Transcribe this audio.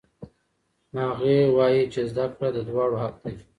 هغې وایي چې زده کړه د دواړو حق دی.